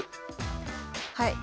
はい。